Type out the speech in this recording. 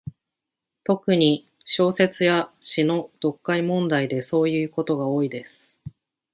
特に、小説や詩の読解問題でそういうことが多いです。